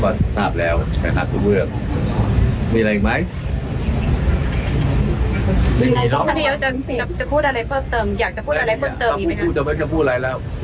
บริษัทธิการไปด้วยอ่าท่านอนุทินทุกคนก็รับทราบตรงนี้แล้วท่านอนุทินก็รับแล้ว